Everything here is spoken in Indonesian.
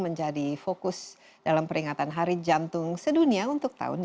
menjadi fokus dalam peringatan hari jantung sedunia untuk tahun dua ribu